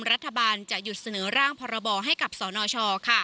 รัฐบาลจะหยุดเสนอร่างพรบให้กับสนช